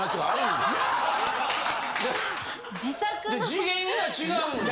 ・次元が違うんで。